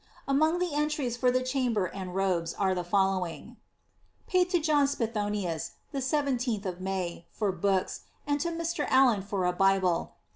Among the entries for the chamber and robes, are the following :Paid to John Spitbonius, the 17th of May, for books, and to Mr. Allen for a Bible, 27f.